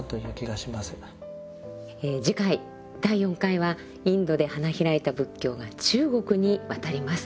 次回第４回はインドで花開いた仏教が中国に渡ります。